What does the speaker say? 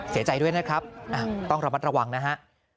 เสียใจด้วยนะครับต้องระมัดระวังนะฮะ